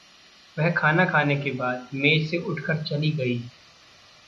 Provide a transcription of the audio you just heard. वह खाना खाने के बाद मेज़ से उठकर चली गई।